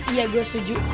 iya gue setuju